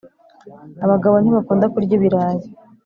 Abagabo ntibakunda kurya ibirayi